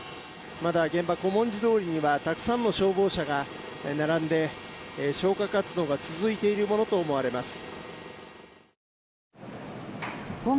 まだ現場、小文字通りにはたくさんの消防車が並んで消火活動が続いているものと思われます。